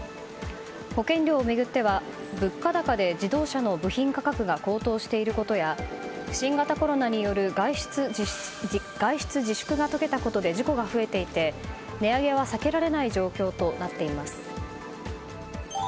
保険料を巡っては物価高で自動車の部品価格が高騰していることや新型コロナによる外出自粛が解けたことで事故が増えていて、値上げは避けられない状況となっています。